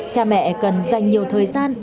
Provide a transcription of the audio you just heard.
cha mẹ cần dành nhiều thời gian